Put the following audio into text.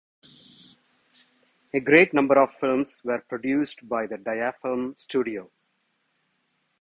A great number of films were produced by the "Diafilm" studio.